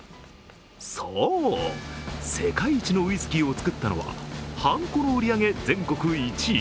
そう、世界一のウイスキーを造ったのは、はんこの売り上げ全国１位。